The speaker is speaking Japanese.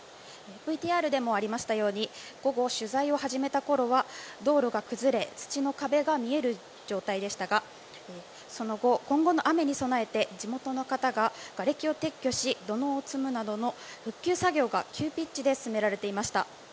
ＶＴＲでもありましたように午後、取材を始めたころは道路が崩れ土の壁が見える状態でしたがその後、今後の雨に備えて地元の方ががれきを撤去し土のうを積むなどの復旧作業が急ピッチで進められていました。